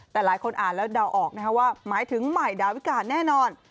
แต่หลายคนอ่านแล้วเดาออกนะคะว่าหมายถึงใหม่ดาวิกาแน่นอน